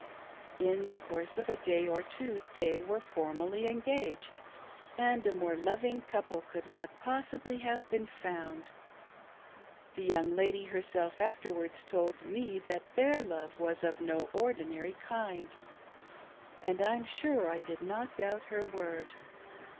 In the course of a day or two they were formally " engaged," and a more loving couple could not possibly have been found. The young lady herself afterwards told me that their love was of no ordinary kind ; and I'm sure I did npt doubt her word.